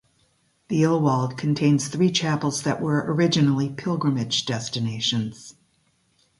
The Illwald contains three chapels that were originally pilgrimage destinations.